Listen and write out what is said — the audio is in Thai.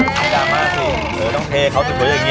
ระด่ามากคือต้องเทข้อสมบัติสักอย่างนี้